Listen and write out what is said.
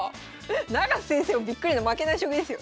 永瀬先生もびっくりの負けない将棋ですよ。